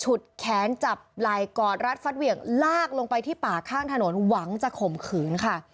แขนจับไหล่กอดรัดฟัดเหวี่ยงลากลงไปที่ป่าข้างถนนหวังจะข่มขืนค่ะ